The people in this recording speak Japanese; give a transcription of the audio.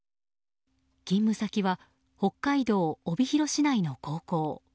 勤務先は北海道帯広市内の高校。